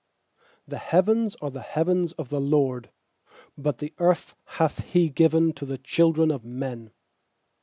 16The heavens are the heavens of the LORD: But the earth hath He given to th< children of men.